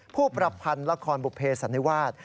ผู้ประพันธ์ละครบุเภสันนิวาส